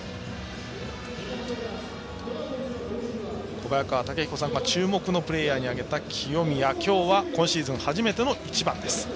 小早川毅彦さんが注目のプレーヤーに挙げた清宮、今日は今シーズン初めての１番です。